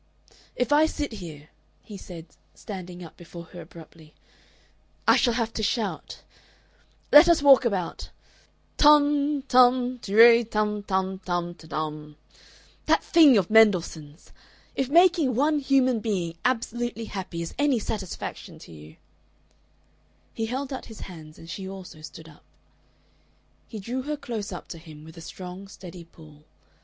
"If I sit here," he said, standing up before her abruptly, "I shall have to shout. Let us walk about. Tum, tum, tirray, tum, tum, tum, te tum that thing of Mendelssohn's! If making one human being absolutely happy is any satisfaction to you " He held out his hands, and she also stood up. He drew her close up to him with a strong, steady pull.